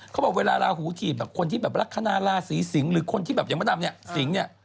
เขาบอกว่าเวลาลาหูทีบอะคนที่แบบรักขนาดลาศรีสิงห์หรือคนที่แบบอย่างประดับเนี่ยสิงห์เนี่ย